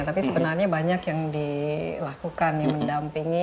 tapi sebenarnya banyak yang dilakukan yang mendampingi presiden soekarno republik indonesia